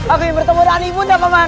aku ingin bertemu dengan yunda taman